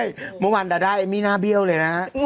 ใช่โมงวันดาด้ายมีหน้าเบี้ยวเลยนะ